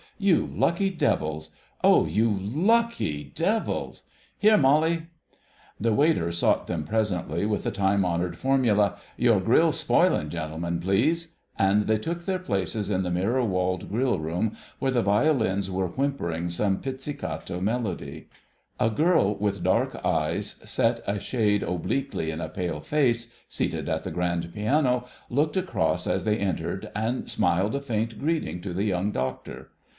... You lucky devils.... Oh, you lucky devils! Here, Molly——" The waiter sought them presently with the time honoured formula: "Your grill's spoilin', gentlemen, please," and they took their places in the mirror walled grill room, where the violins were whimpering some pizzicato melody. A girl with dark eyes set a shade obliquely in a pale face, seated at the grand piano, looked across as they entered and smiled a faint greeting to the Young Doctor.